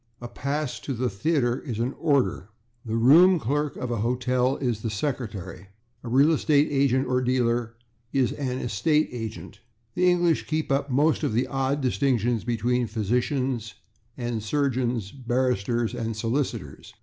A pass to the theatre is an /order/. The room clerk of a hotel is the /secretary/. A real estate agent or dealer is an /estate agent/. The English keep up most of the old distinctions between physicians and surgeons, barristers and solicitors.